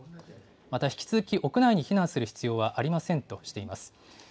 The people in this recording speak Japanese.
また引き続き、屋内に避難する必要はありませんとしています。